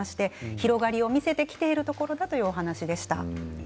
広がりを見せてきているところだという話でした。